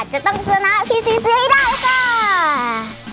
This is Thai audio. จะต้องเสียหน้าพี่ซีซีได้ก่อน